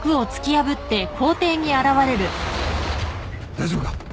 大丈夫か？